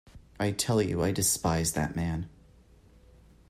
I tell you I despise that man.